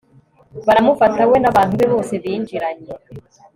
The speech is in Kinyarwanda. baramufata, we n'abantu be bose binjiranye